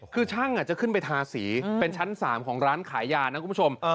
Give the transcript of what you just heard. คือช่างจะขึ้นไปทาสีเป็นชั้น๓ของร้านขายยานะคุณผู้ชม